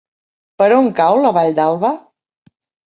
Per on cau la Vall d'Alba?